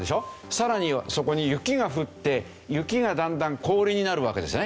さらにはそこに雪が降って雪がだんだん氷になるわけですよね。